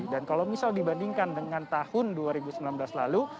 dan kalau misalnya dibandingkan dengan tahun dua ribu sembilan belas lalu